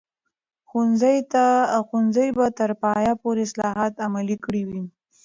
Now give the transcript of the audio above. ښوونځي به تر پایه پورې اصلاحات عملي کړي وي.